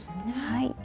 はい。